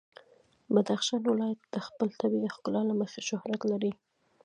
بدخشان ولایت د خپل طبیعي ښکلا له مخې شهرت لري.